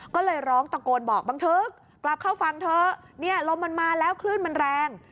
ก็เลยร้องตะโกนบอกบังทึกกลับเข้าฝั่งเถอะเนี่ยลมมันมาแล้วคลื่นมันแรง